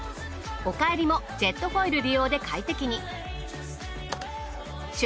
お帰りもジェットフォイル利用で快適に。